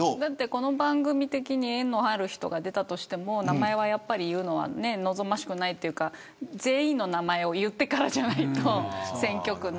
この番組的に縁のある人が出たとしても名前を言うのは望ましくないというか全員の名前を言ってからじゃないと。